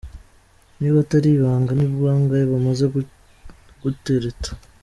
Niba atari ibanga ni bangahe bamaze kugutereta?.